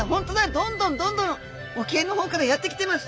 どんどんどんどん沖合のほうからやってきてます。